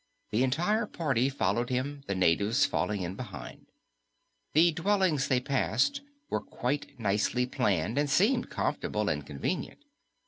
The entire party followed him, the natives falling in behind. The dwellings they passed were quite nicely planned and seemed comfortable and convenient.